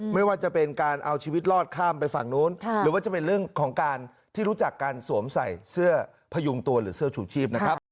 ไม่ว่าจะเป็นการเอาชีวิตรอดข้ามไปฝั่งนู้นหรือว่าจะเป็นเรื่องของการที่รู้จักการสวมใส่เสื้อพยุงตัวหรือเสื้อชูชีพนะครับ